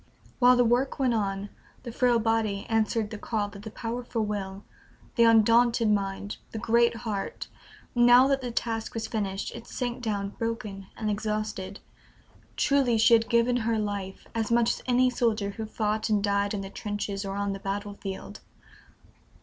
While the work went on, the frail body answered the call of the powerful will, the undaunted mind, the great heart; now that the task was finished, it sank down broken and exhausted. Truly, she had given her life, as much as any soldier who fought and died in the trenches or on the battlefield.